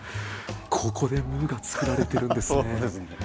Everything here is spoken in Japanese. ここで「ムー」が作られてるんですね。